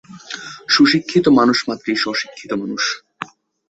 সুশিক্ষিত মানুষ মাত্রেই স্ব-শিক্ষিত মানুষ।